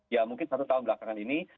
ya mungkin satu tahun belakangan ini